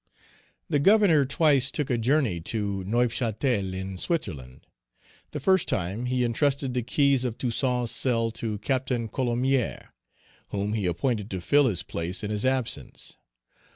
The Governor twice took a journey to Neufchâtel, in Switzerland. The first time he intrusted the keys of Toussaint's cell to Captain Colomier, whom he appointed to fill his place in his absence.